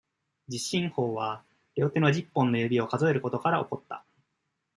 十進法は、両手の十本の指を数えることから起こった。